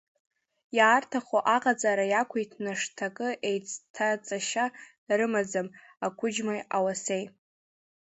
Иаарҭаху аҟаҵара иақәиҭны шҭакы еицҭаҵашьа рымаӡам ақәыџьмеи ауасеи.